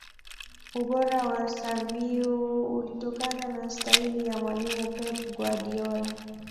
ubora wa xaviu ulitokana na staili ya mwalimu Pep Guardiola